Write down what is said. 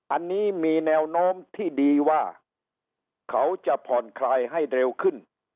อันนี้มีแนวโน้มที่ดีว่าเขาจะผ่อนคลายให้เร็วขึ้น